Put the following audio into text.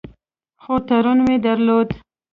خو ترونه مې درلودل.